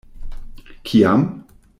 Kiam?